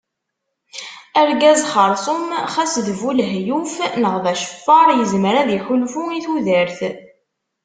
Argaz xerṣum xas d bu lehyuf neɣ d aceffar yezmer ad iḥulfu i tudert.